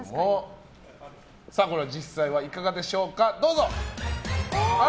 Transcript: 実際はいかがでしょうか？